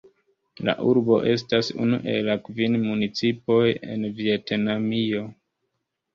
La urbo estas unu el la kvin municipoj en Vjetnamio.